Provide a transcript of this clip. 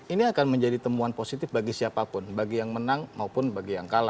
ini akan menjadi temuan positif bagi siapapun